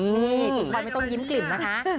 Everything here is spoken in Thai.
นี่ปุ๊บคอนต้องยิ้มกลิ่มนะคะ